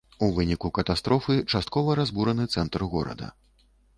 У выніку катастрофы часткова разбураны цэнтр горада.